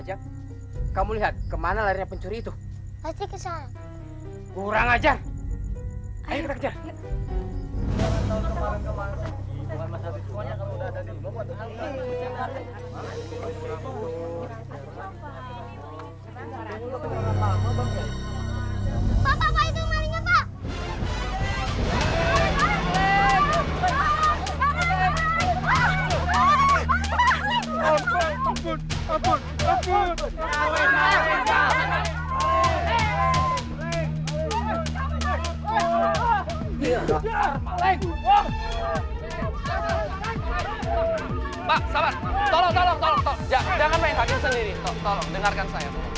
jangan main hakim sendiri tolong dengarkan saya